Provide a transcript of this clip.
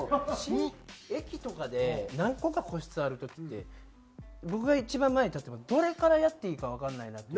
駅とかで何個か個室ある時って僕が一番前に立った場合どれからやっていいかわからないなと。